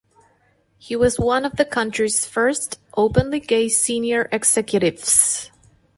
He was one of the country's first openly gay senior executives.